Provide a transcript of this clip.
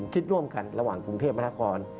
คิดร่วมกันระหว่างกรุงเทพมนาคม